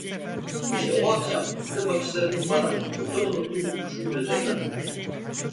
İşte o akşam sizin bakışlarınız bana, çoktan unuttuğum bu kuşun gözlerini hatırlattı.